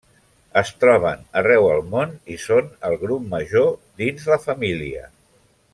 Es troben arreu el món i són el grup major dins la família.